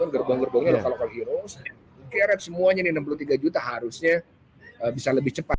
gerbong gerbongnya local local heroes karet semuanya nih enam puluh tiga juta harusnya bisa lebih cepat